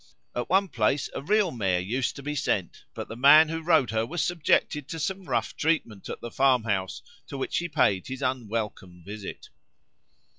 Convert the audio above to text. At one place a real mare used to be sent, but the man who rode her was subjected to some rough treatment at the farmhouse to which he paid his unwelcome visit.